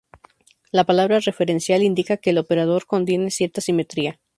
La palabra "referencial" indica que el operador contiene cierta simetría.